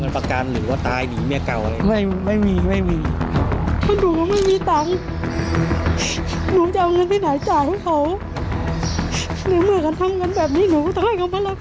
ปากกันหรือว่าตายหนีแม่เก่าอะไรไม่ไม่มีไม่มี